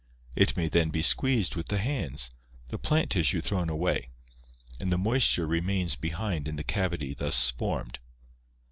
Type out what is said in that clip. It may then be squeezed with the hands, the plant tissue thrown away, and the moisture remains behind in the cavity thus formed.